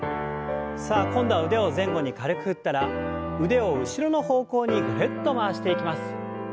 さあ今度は腕を前後に軽く振ったら腕を後ろの方向にぐるっと回していきます。